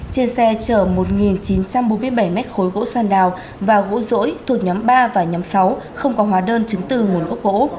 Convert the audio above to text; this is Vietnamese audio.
trên xe chở một chín trăm bốn mươi bảy mét khối gỗ xoan đào và gỗ rỗi thuộc nhóm ba và nhóm sáu không có hóa đơn chứng từ nguồn gốc gỗ